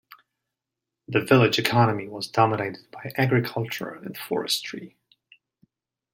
The village economy was dominated by agriculture and forestry.